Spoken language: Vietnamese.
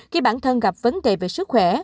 khi bản thân gặp vấn đề về sức khỏe